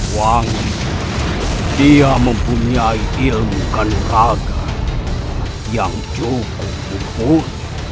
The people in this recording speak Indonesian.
wangi dia mempunyai ilmu kanuraga yang cukup umur